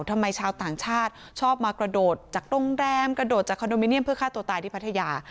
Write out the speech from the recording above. ชาวต่างชาติชอบมากระโดดจากโรงแรมกระโดดจากคอนโดมิเนียมเพื่อฆ่าตัวตายที่พัทยา